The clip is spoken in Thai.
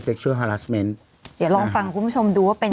เล็กชั่วหาลัสน์เมนท์เดี๋ยวลองฟังคุณผู้ชมดูว่าเป็น